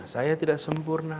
kami tidak sempurna